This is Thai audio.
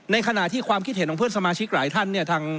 ขณะที่ความคิดเห็นของเพื่อนสมาชิกหลายท่านเนี่ย